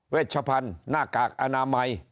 ชพันธุ์หน้ากากอนามัย